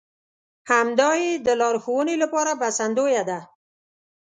همدا يې د لارښوونې لپاره بسندويه ده.